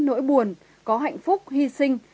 nỗi buồn có hạnh phúc hy sinh